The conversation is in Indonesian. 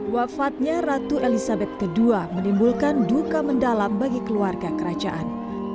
wafatnya ratu elizabeth ii menimbulkan duka mendalam bagi keluarga kerajaan